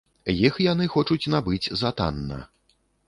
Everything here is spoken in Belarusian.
Іх яны хочуць набыць за танна.